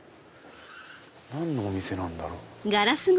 何のお店なんだろう？